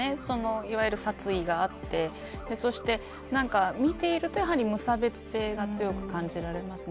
いわゆる殺意があってそして見ていると無差別性が強く感じられますね。